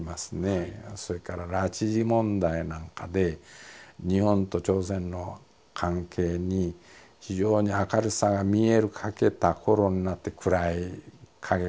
それから拉致問題なんかで日本と朝鮮の関係に非常に明るさが見えかけた頃になって暗い影が大きくなってくるんですね。